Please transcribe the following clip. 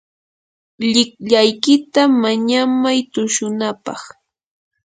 llikllaykita mañamay tushunapaq.